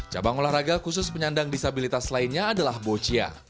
cabang olahraga khusus penyandang disabilitas lainnya adalah boccia